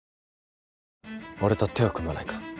俺と手を組まないか？